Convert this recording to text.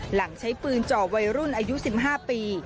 หลังใช้ปืนจ่อวัยรุ่นอายุ๑๕ปี